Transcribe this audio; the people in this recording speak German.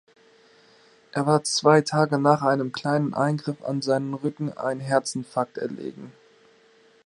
Er war zwei Tage nach einem kleinen Eingriff an seinem Rücken einem Herzinfarkt erlegen.